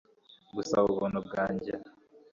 Gusaba ubuntu bwanjye